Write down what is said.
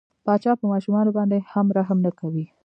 پاچا په ماشومان باندې هم رحم نه کوي.